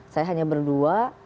saya hanya berdua